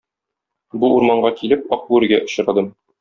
Бу урманга килеп, Ак бүрегә очрадым.